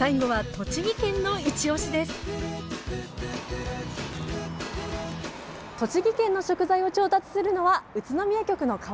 栃木県の食材を調達するのは宇都宮局の川島加奈代です。